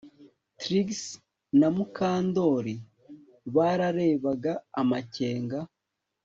Trix na Mukandoli bararebaga amakenga